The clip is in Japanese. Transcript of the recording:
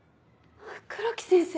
黒木先生！